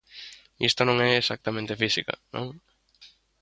Isto non é exactamente física, non?